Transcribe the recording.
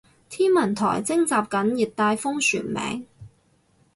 天文台徵集緊熱帶風旋名